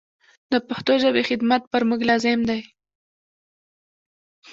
د پښتو ژبي خدمت پر موږ لازم دی.